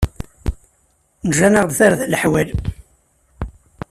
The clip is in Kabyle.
Ǧǧan-aɣ-d tarda n leḥwal.